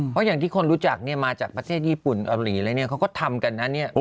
เพราะอย่างที่คนรู้จักเนี่ยมาจากประเทศญี่ปุ่นเกาหลีอะไรเนี่ยเขาก็ทำกันนะเนี่ย